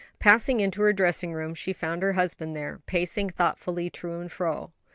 Passing into her dressing room, she found her husband there, pacing thoughtfully to and fro.